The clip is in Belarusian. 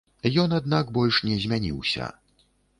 Ён, аднак, больш не змяніўся.